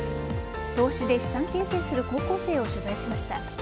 投資で資産形成する高校生を取材しました。